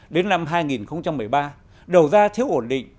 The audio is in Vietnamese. đến năm hai nghìn một mươi ba đầu ra thiếu ổn định